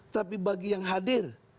tapi bagi yang hadir